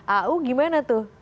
au gimana tuh